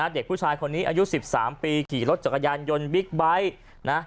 เด็กผู้ชายคนนี้อายุ๑๓ปีขี่รถจักรยานยนต์บิ๊กไบท์นะ